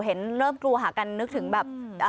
เห็นเริ่มกลัวหากันนึกถึงแบบ